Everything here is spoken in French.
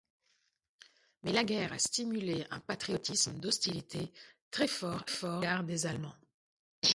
Mais la guerre a stimulé un patriotisme d'hostilité très fort à l'égard des Allemands.